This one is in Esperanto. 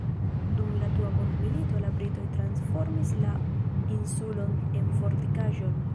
Dum la Dua Mondmilito la britoj transformis la insulon en fortikaĵon.